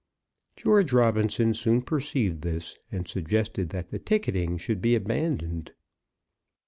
George Robinson soon perceived this, and suggested that the ticketing should be abandoned.